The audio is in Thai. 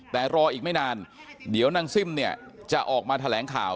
แต่รออีกไม่นานเดี๋ยวนางซิ่มเนี่ยจะออกมาแถลงข่าว